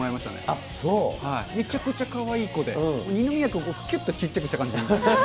めちゃくちゃかわいい子で、二宮君をきゅっと小っちゃくした感じ。